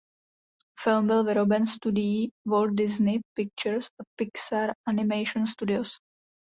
Film byl vyroben studii Walt Disney Pictures a Pixar Animation Studios.